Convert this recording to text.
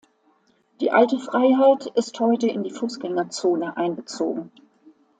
Die Alte Freiheit ist heute in die Fußgängerzone einbezogen.